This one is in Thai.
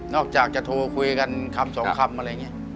อกจากจะโทรคุยกันคำสองคำอะไรอย่างนี้